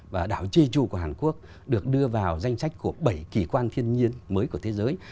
và đảo ji tru của hàn quốc được đưa vào danh sách của bảy kỳ quan thiên nhiên mới của thế giới